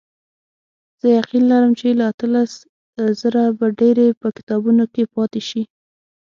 زه یقین لرم چې له اتلس زره به ډېرې په کتابونو کې پاتې شي.